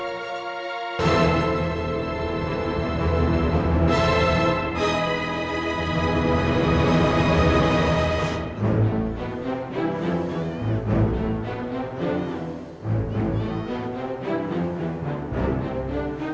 bhug ah pokoknya